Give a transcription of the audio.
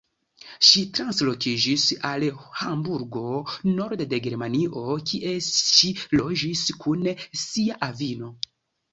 Ŝi translokiĝis al Hamburgo, norde de Germanio, kie ŝi loĝis kun sia avino.